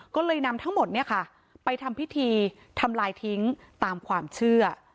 ก็เลยนำทั้งหมดเนี่ยค่ะไปทำพิธีทำลายทิ้งตามความเชื่อ